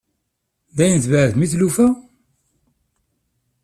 Dayen tbeɛɛdem i tlufa?